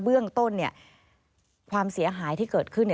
เบื้องต้นความเสียหายที่เกิดขึ้น